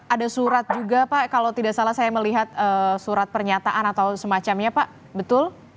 ada surat juga pak kalau tidak salah saya melihat surat pernyataan atau semacamnya pak betul